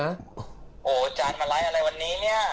ว่าจานไลฟ์อะไรวันนี้นี้